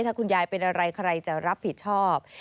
ถ้าคุณยายเป็นอะไรใครจะรับผิดชอบ